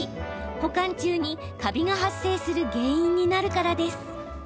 保管中にカビが発生する原因になるからです。